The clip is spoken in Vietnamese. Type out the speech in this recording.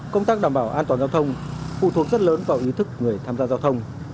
công tác đảm bảo an toàn giao thông phụ thuộc rất lớn vào ý thức người tham gia giao thông